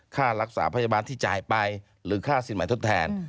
ค่ารักษาพยาบาลที่จ่ายไปหรือค่าสินใหม่ทดแทน